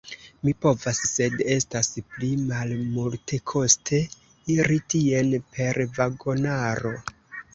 Mi povas, sed estas pli malmultekoste iri tien per vagonaro.